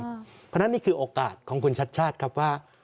เพราะฉะนั้นนี่คือโอกาสของคุณชัดชาติครับว่า